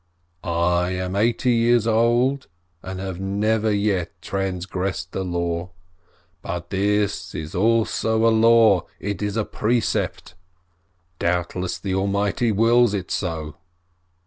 I am eighty years old, and have never yet transgressed a law. But this is also a law, it is a precept. Doubtless the Almighty wills it so